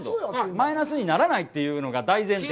マイナスにならないというのが大前提。